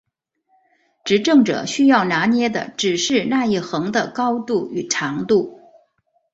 执政者需要拿捏的只是那一横的高度与长度。